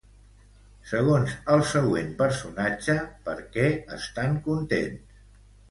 Segons el següent personatge, per què estan contents?